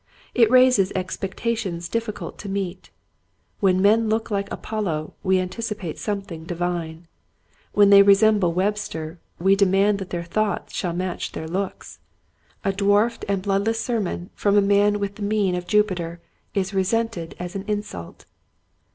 It raises expectations difficult to meet. When men look Hke Apollo we anticipate something divine. When they resemble Webster we demand that their thought shall match their looks. A dwarfed and 130 Quiet Hints to Growing Preachers. bloodless sermon from a man with the mien of Jupiter is resented as an insult.